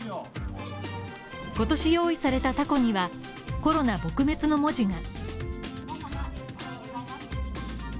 今年用意された凧にはコロナ撲滅の文字が。